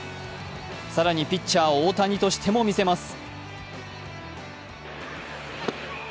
更にピッチャー・大谷としても見せます。